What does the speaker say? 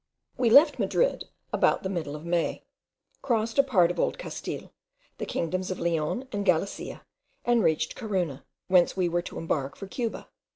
We left Madrid about the middle of May, crossed a part of Old Castile, the kingdoms of Leon and Galicia, and reached Corunna, whence we were to embark for Cuba.